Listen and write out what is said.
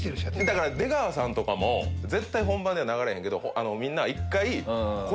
だから出川さんとかも絶対本番では流れへんけどみんな１回。